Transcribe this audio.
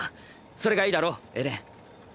それがいいだろエレン。